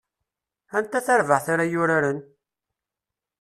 Anta tarbaɛt ara yuraren?